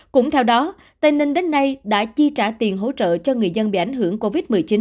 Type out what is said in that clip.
cũng theo đó tây ninh đến nay đã chi trả tiền hỗ trợ cho người dân bị ảnh hưởng covid một mươi chín